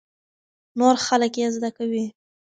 نور خلک يې زده کوي.